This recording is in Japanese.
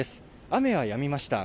雨はやみました。